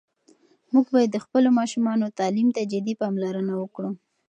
موږ باید د خپلو ماشومانو تعلیم ته جدي پاملرنه وکړو.